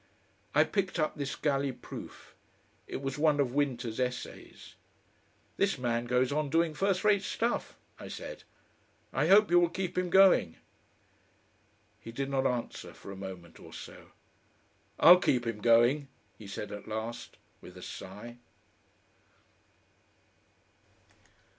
I picked up this galley proof. It was one of Winter's essays. "This man goes on doing first rate stuff," I said. "I hope you will keep him going." He did not answer for a moment or so. "I'll keep him going," he said at last with a sigh.